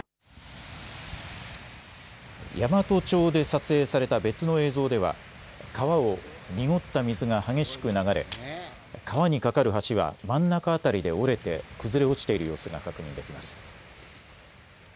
山都町で撮影された別の映像では川を濁った水が激しく流れ川に架かる橋は真ん中辺りで折れて崩れ落ちている様子が確認できます。